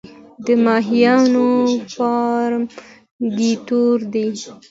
د ماهیانو فارم ګټور دی؟